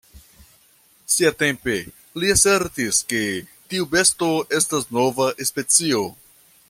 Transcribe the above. Siatempe li asertis ke tiu besto estas nova specio.